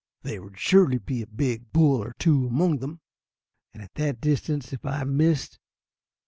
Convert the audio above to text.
There would surely be a big bull or two among them, and at that distance if I missed